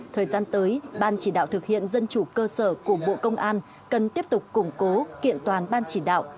thời gian tới ban chỉ đạo thực hiện dân chủ cơ sở của bộ công an cần tiếp tục củng cố kiện toàn ban chỉ đạo